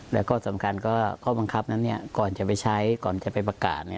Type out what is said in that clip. แล้วก็สำคัญก็ข้อบังคับนั้นก่อนจะไปใช้ก่อนจะไปประกาศ